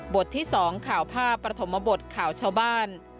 ที่๒ข่าวภาพประถมบทข่าวชาวบ้าน